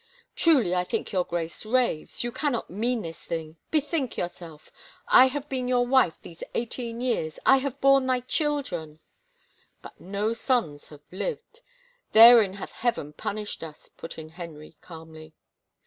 Truly, I think your Grace raves, you cannot mean this thing I Bethink yourself I I have been your wife these eighteen years. I have borne thy children —"" But no sons have lived. Therein hath Heaven pun ished us/* put in Henry calmly.